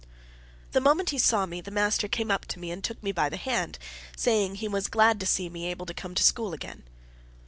The moment he saw me, the master came up to me and took me by the hand, saying he was glad to see me able to come to school again.